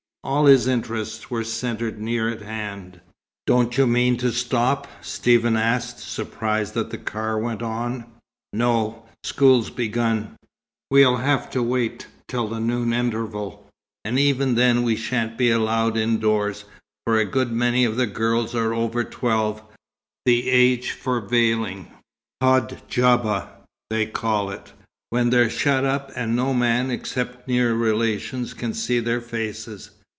All his interests were centred near at hand. "Don't you mean to stop?" Stephen asked, surprised that the car went on. "No; school's begun. We'll have to wait till the noon interval, and even then we shan't be allowed indoors, for a good many of the girls are over twelve, the age for veiling hadjabah, they call it when they're shut up, and no man, except near relations, can see their faces.